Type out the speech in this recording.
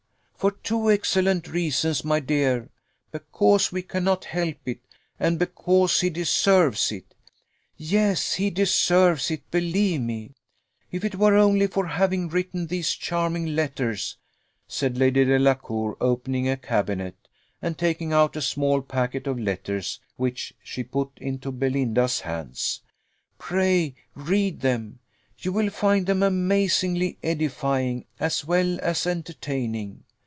"For two excellent reasons, my dear: because we cannot help it, and because he deserves it. Yes, he deserves it, believe me, if it were only for having written these charming letters," said Lady Delacour, opening a cabinet, and taking out a small packet of letters, which she put into Belinda's hands. "Pray, read them; you will find them amazingly edifying, as well as entertaining.